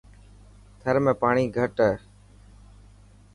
ٿر ۾ پاڻي گھٽ هي.